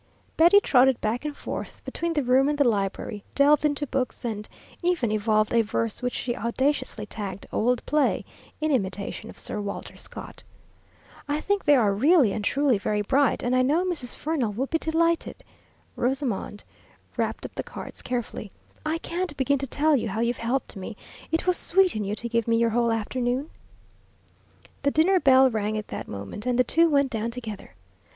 Betty trotted back and forth between the room and the library, delved into books, and even evolved a verse which she audaciously tagged "old play," in imitation of Sir Walter Scott. "I think they are really and truly very bright, and I know Mrs. Fernell will be delighted." Rosamond wrapped up the cards carefully. "I can't begin to tell you how you've helped me. It was sweet in you to give me your whole afternoon." The dinner bell rang at that moment, and the two went down together.